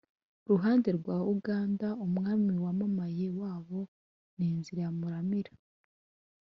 ruhande rwa uganda. umwami wamamaye wabo ni nzira ya muramira